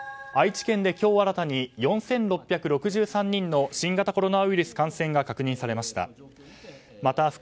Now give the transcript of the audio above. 愛知県で今日新たに４６６３人の新型コロナウイルス感染が確認されました。